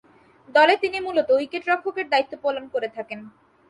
দলে তিনি মূলতঃ উইকেট-রক্ষকের দায়িত্ব পালন করে থাকেন।